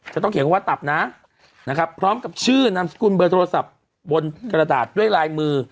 จะต้องเขียนคำว่าตับนะนะครับพร้อมกับชื่อนามสกุลเบอร์โทรศัพท์บนกระดาษด้วยลายมือ